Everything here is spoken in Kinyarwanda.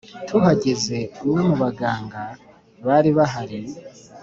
Tuhageze umwe mu baganga bari bahari